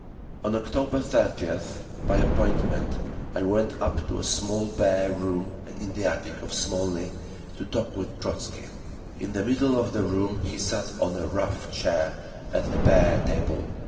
On October 30th, by appointment, I went up to a small, bare room in the attic of Smolny, to talk with Trotzky. In the middle of the room he sat on a rough chair at a bare table.